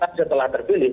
tapi setelah terpilih